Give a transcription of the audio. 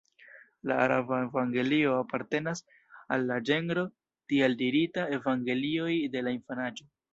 La araba Evangelio apartenas al la ĝenro tieldirita Evangelioj de la infanaĝo.